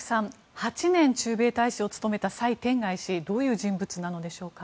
８年駐米大使を務めたサイ・テンガイ氏どういう人物なのでしょうか。